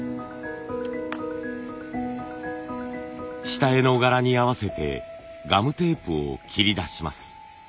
下絵の柄に合わせてガムテープを切り出します。